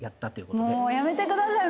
もうやめてください。